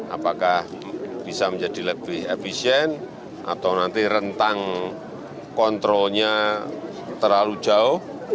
apakah bisa menjadi lebih efisien atau nanti rentang kontrolnya terlalu jauh